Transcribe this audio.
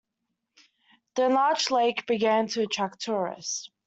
The enlarged lake began to attract tourists.